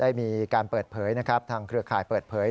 ได้มีการเปิดเผยนะครับทางเครือข่ายเปิดเผย